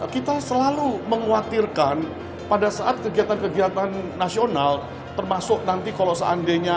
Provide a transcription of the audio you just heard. kita selalu mengkhawatirkan pada saat kegiatan kegiatan nasional termasuk nanti kalau seandainya